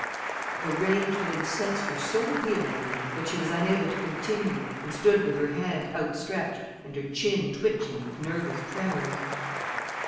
Her rage had incensed her so vehemently that she was unable to continue and stood with her hand outstretched and her chin twitching with nervous tremors.